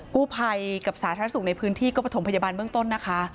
กู้ภัยกับสาธารณสุขในพื้นที่ก็ประถมพยาบาลเบื้องต้นนะคะ